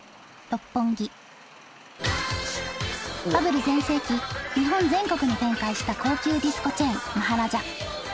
バブル全盛期日本全国に展開した高級ディスコチェーンマハラジャ